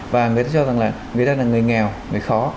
và người ta cho rằng là người ta là người nghèo người khó